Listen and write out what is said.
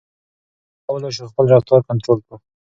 موږ څنګه کولای شو خپل رفتار کنټرول کړو؟